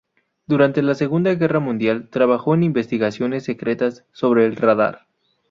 Durante la Segunda Guerra Mundial trabajó en investigaciones secretas sobre el radar.